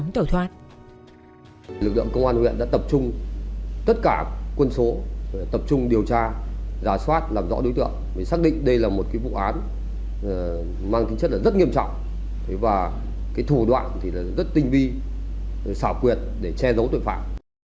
tất cả quân số tập trung điều tra giả soát làm rõ đối tượng để xác định đây là một vụ án mang tính chất rất nghiêm trọng và thủ đoạn rất tinh vi xảo quyệt để che giấu tội phạm